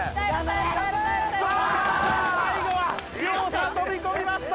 最後は両者飛び込みました！